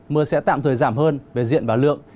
mưa sẽ tạm thời giảm hơn về diện và lượng